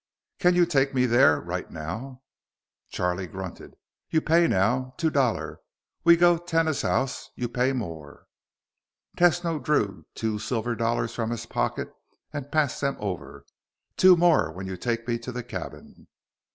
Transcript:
"Can you take me there? Right now?" Charlie grunted. "You pay now. Two dollar. We go tenas house, you pay more." Tesno drew two silver dollars from his pocket and passed them over. "Two more when you take me to the cabin."